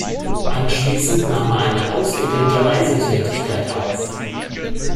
Anschließend nahm er eine ausgedehnte Reisetätigkeit auf.